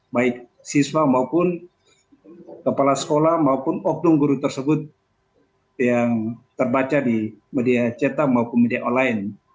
baik siswa maupun kepala sekolah maupun oknum guru tersebut yang terbaca di media cetak maupun media online